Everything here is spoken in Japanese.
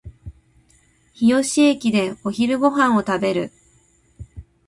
日吉駅でお昼ご飯を食べる